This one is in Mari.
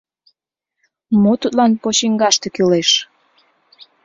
Мо тудлан почиҥгаште кӱлеш?